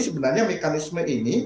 sebenarnya mekanisme ini